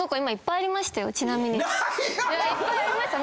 いやいっぱいありました。